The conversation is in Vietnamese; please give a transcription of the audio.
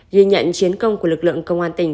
ghi nhận chiến công của lực lượng công an tỉnh